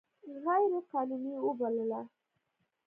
غیر قانوني وبلله.